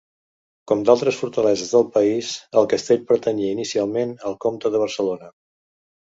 Com d'altres fortaleses del país, el castell pertanyia inicialment al comte de Barcelona.